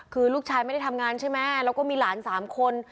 คือลูกชายไม่ได้ทำงานใช่ไหมแล้วก็มีหลาน๓คน